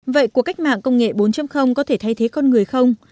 vậy cuộc cách mạng công nghệ bốn có thể thay thế con người không